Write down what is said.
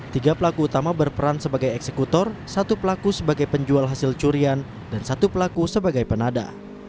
tiga pelaku utama berperan sebagai eksekutor satu pelaku sebagai penjual hasil curian dan satu pelaku sebagai penada